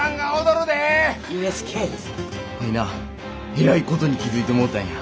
えらいことに気付いてもうたんや。